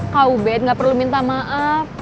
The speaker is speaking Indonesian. kau bene gak perlu minta maaf